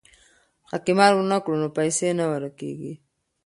که قمار ونه کړو نو پیسې نه ورکيږي.